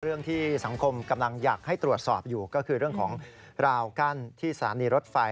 เรื่องที่สังคมกำลังอยากให้ตรวจสอบอยู่ก็คือเรื่องของราวกั้นที่สถานีรถไฟ